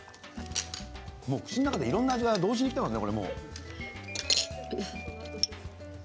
口の中でいろんな味が同時にきてますね。